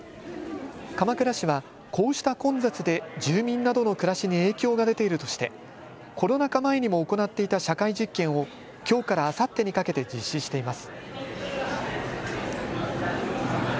鎌倉市は、こうした混雑で住民などの暮らしに影響が出ているとしてコロナ禍前にも行っていた社会実験をきょうからあさってにかけて実施しています。